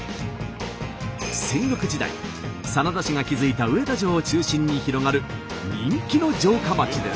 戦国時代真田氏が築いた上田城を中心に広がる人気の城下町です。